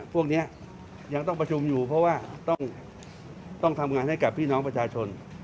พวกนี้ยังต้องประชุมอยู่เพราะว่าต้องทำงานให้กับพี่น้องประชาชน